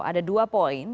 ada dua poin